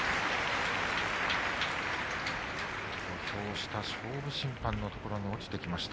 土俵下、勝負審判のところに落ちていきました。